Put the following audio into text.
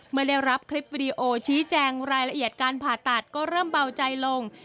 เมื่อได้รับคลิปวิดีโอชี้แจงรายละเอียดการผ่าตัดก็เริ่มเบาใจลง